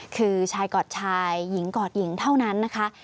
คือชายกอดชายหญิงกอดหญิงเท่านั้นนะคะ